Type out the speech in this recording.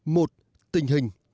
một tình hình